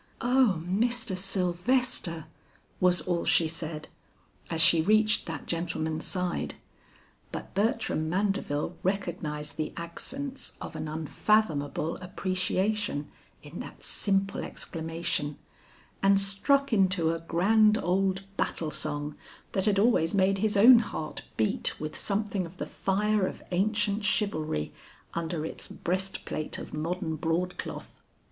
"O Mr. Sylvester!" was all she said as she reached that gentleman's side; but Bertram Mandeville recognized the accents of an unfathomable appreciation in that simple exclamation, and struck into a grand old battle song that had always made his own heart beat with something of the fire of ancient chivalry under its breastplate of modern broadcloth.